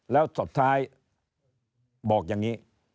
แล้วสุดท้ายบอกอย่างนี้